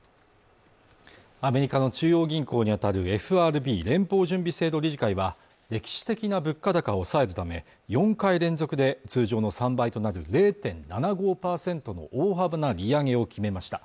アメリカの中央銀行にあたるＦＲＢ＝連邦準備制度理事会は歴史的な物価高を抑えるため４回連続で通常の３倍となる０．７５％の大幅な利上げを決めました